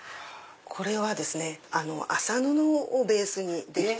これは麻布をベースにできてる。